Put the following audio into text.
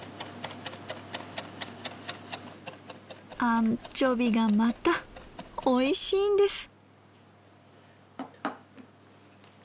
アンチョビがまたおいしいんです！